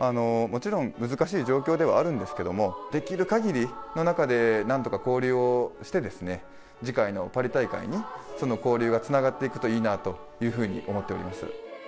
もちろん難しい状況ではあるんですけども、できる限りの中で、なんとか交流をして、次回のパリ大会に、その交流がつながっていくといいなというふうに思っております。